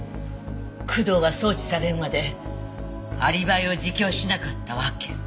工藤が送致されるまでアリバイを自供しなかった訳。